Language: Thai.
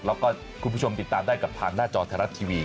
แล้วก็คุณผู้ชมติดตามได้กับทางหน้าจอไทยรัฐทีวี